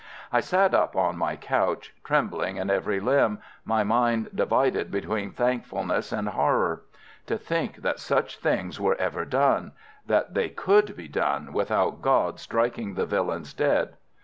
I sat up on my couch, trembling in every limb, my mind divided between thankfulness and horror. To think that such things were ever done—that they could be done without God striking the villains dead.